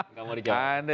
nggak mau dijawab